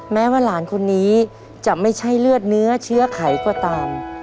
แม้ว่าหลานคนนี้จะไม่ใช่เลือดเนื้อเชื้อไขก็ตาม